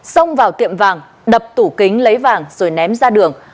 xông vào tiệm vàng đập tủ kính lấy vàng rồi ném ra đường